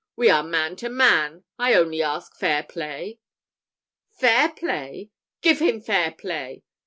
We are man to man. I only ask fair play." "Fair play! Give him fair play!"